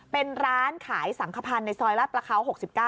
เป็นร้านขายสังขพันธ์ในซอยลาดประเขา๖๙